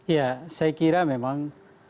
ya saya kira memang